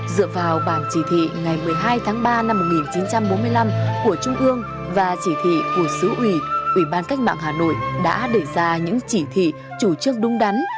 dựa vào bảng chỉ thị ngày một mươi hai tháng ba năm một nghìn chín trăm bốn mươi năm của trung ương và chỉ thị của sứ ủy ủy ban cách mạng hà nội đã để ra những chỉ thị chủ trương đúng đắn